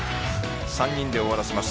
３人で終わらせます。